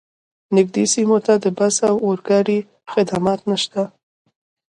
نږدې سیمو ته د بس او اورګاډي خدمات نشته